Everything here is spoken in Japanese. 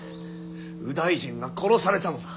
右大臣が殺されたのだ。